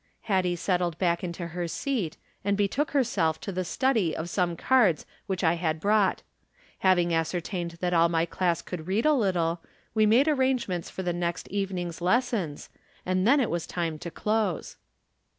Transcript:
Hattie settled back in her se3t, and betook her self to the study of some cards Avhich I had brought. Having ascertained that all my class could read a little, we made arrangements for the l64 From Different Standpoints. next evening's lessons,< and then it was time to close.